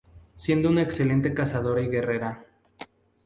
Siendo una excelente cazadora y guerrera.